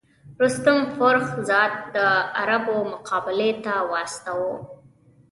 رستم فرُخ زاد د عربو مقابلې ته واستاوه.